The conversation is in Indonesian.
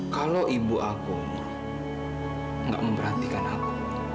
kalau ibu aku gak memperhatikan aku